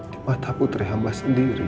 di mata putri hambas sendiri